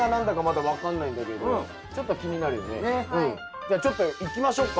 じゃあちょっといきましょうか。